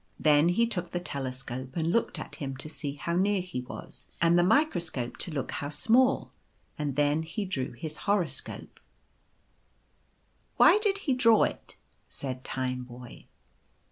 Then he took the telescope and looked at him to see how near he was, and the microscope to look how small ; and then he drew his horoscope/' " Why did he draw it ?" said Tineboy.